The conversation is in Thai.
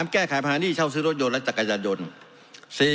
๔แก้ไขภาษณีย์เช่าซื้อรถยนต์และจักรยาจดนทร์